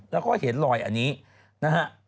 แล้วก็เห็นลอยอันนี้นะฮะ